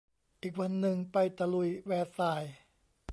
อีกวันนึงไปตะลุยแวร์ซายน์